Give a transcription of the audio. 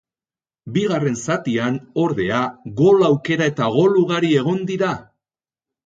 Bigarren zatian, ordea, gol aukera eta gol ugari egon dira.